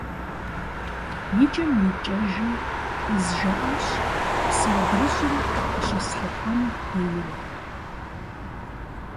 ИкӀэм-икӀэжым къызжаӀащ псы адрыщӀым къыщыслъыхъуэн хуейуэ.